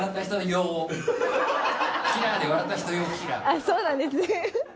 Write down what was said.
あっそうなんですね。